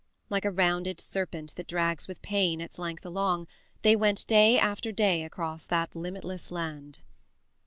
Like a rounded serpent that drags with pain its length along, they went day after day across that limitless land.